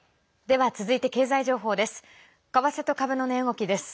では続いて経済情報です。